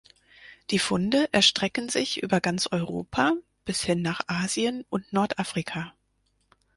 Die Funde erstrecken sich über ganz Europa, bis hin nach Asien und Nordafrika.